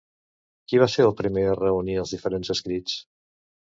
Qui va ser el primer a reunir els diferents escrits?